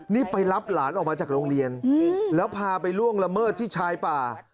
นี่ไปรับหลานออกมาจากโรงเรียนแล้วพาไปล่วงละเมิดที่ชายป่า